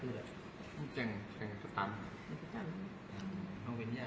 อ๋ออาหาโกนทเป็นที่ห้า